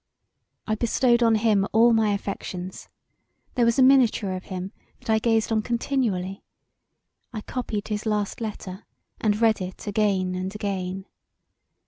I bestowed on him all my affections; there was a miniature of him that I gazed on continually; I copied his last letter and read it again and again.